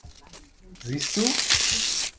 Siehst du?